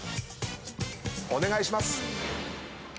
お願いします。